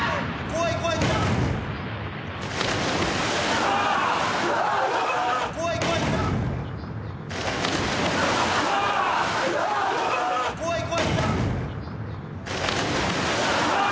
怖い怖い。